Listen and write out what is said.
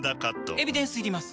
エビデンスいります？